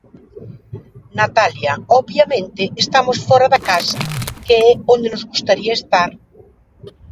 Natalia Obviamente estamos fóra da casa que é onde nos gustaría estar.